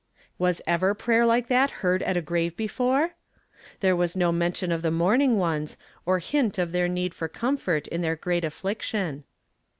Was ever pmyer like that heard at a f,n ave before? There was no mention of the mourning ones, nor hint of their need for comfort in their great aflliction.